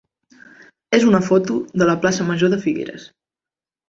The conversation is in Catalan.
és una foto de la plaça major de Figueres.